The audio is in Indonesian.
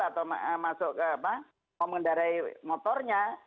atau mau mengendarai motornya